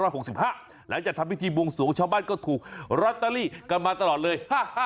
หลังจากทำพิธีบวงสวงชาวบ้านก็ถูกลอตเตอรี่กันมาตลอดเลย